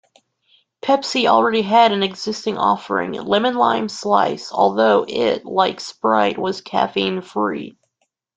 Pepsi already had an existing offering, lemon-lime Slice, although it, like Sprite, was caffeine-free.